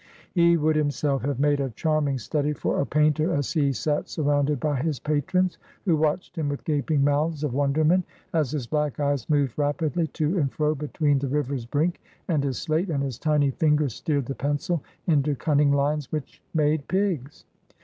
He would himself have made a charming study for a painter, as he sat surrounded by his patrons, who watched him with gaping mouths of wonderment, as his black eyes moved rapidly to and fro between the river's brink and his slate, and his tiny fingers steered the pencil into cunning lines which "made pigs."